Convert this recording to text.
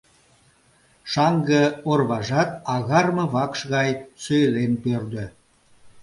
Шаҥге орважат агарме вакш гай сӧйлен пӧрдӧ.